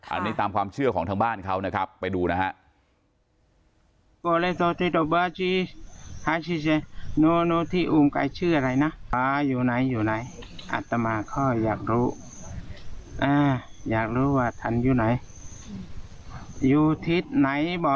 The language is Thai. อันนี้ตามความเชื่อของทางบ้านเขานะครับไปดูนะฮะ